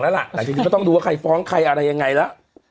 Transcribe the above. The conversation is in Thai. แล้วละจริงจริงก็ต้องดูว่าใครฟ้องใครอะไรยังไงละ